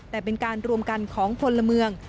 แต่เป็นการรวมกันของพลเมือง